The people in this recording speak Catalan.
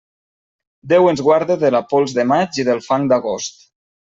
Déu ens guarde de la pols de maig i del fang d'agost.